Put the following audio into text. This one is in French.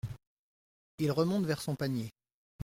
Il remonte vers son panier.